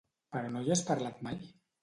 Però no hi has parlat mai?